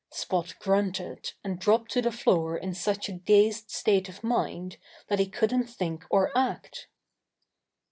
Spot grunted, and dropped to the floor in such a dazed state of mind that he couldn^t think or act.